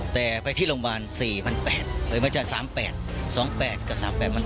แต่ไปที่โรงพยาบาลสี่พันแปดไม่ใช่สามแปดสองแปดกับสามแปดมันต่าง